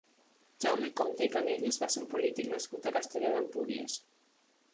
Jaume Compte i Canelles va ser un polític nascut a Castelló d'Empúries.